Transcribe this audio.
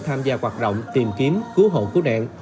tham gia hoạt động tìm kiếm cứu hộ cứu nạn